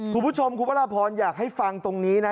คุณผู้ชมคุณพระราพรอยากให้ฟังตรงนี้นะ